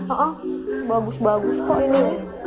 oh bagus bagus kok ini